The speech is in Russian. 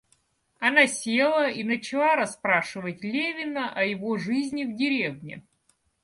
Она села и начала расспрашивать Левина о его жизни в деревне.